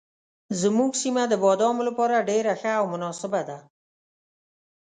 زموږ سیمه د بادامو لپاره ډېره ښه او مناسبه ده.